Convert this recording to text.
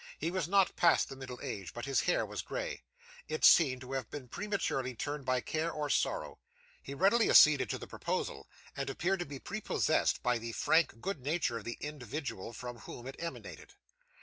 He was not past the middle age, but his hair was grey; it seemed to have been prematurely turned by care or sorrow. He readily acceded to the proposal, and appeared to be prepossessed by the frank good nature of the individual from whom it emanated.